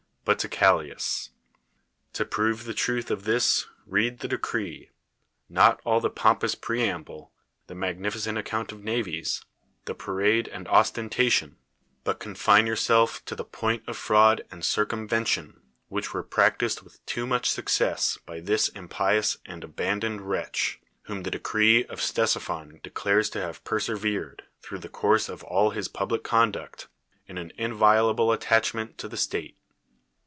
but to Callias. To prove the truth of this read the decree — not all the pompous preamble, the map'nificent account of navies, the parade and ostentation; but confine yourself to the point of fraud and circumven tion, which were practised v/ith too much success by this impious and abandoned wretch, whom the decree of Ctesipho]i declares to have y.^'V severed, throuirii the course of all his ])ublic conduct, in an inviolable attachment to the state.